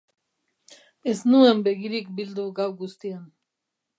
Ez nuen begirik bildu gau guztian.